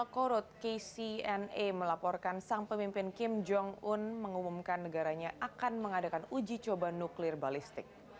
korot kcna melaporkan sang pemimpin kim jong un mengumumkan negaranya akan mengadakan uji coba nuklir balistik